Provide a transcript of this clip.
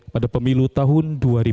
pada pemilu tahun dua ribu sembilan belas